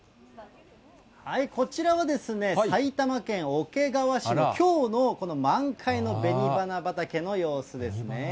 こちらは埼玉県桶川市のきょうのこの満開のべに花畑の様子です。